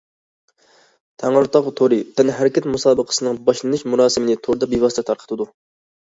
تەڭرىتاغ تورى تەنھەرىكەت مۇسابىقىسىنىڭ باشلىنىش مۇراسىمىنى توردا بىۋاسىتە تارقىتىدۇ.